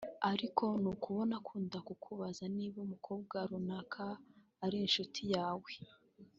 Ariko nubona akunda kukubaza niba umukobwa runaka ari inshuti yawe